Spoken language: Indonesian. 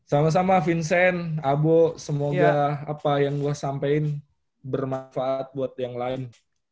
sama sama vincent abo semoga apa yang gue sampaikan bermanfaat buat yang lain